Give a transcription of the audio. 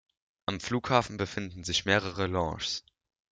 Am Flughafen befinden sich mehrere Lounges.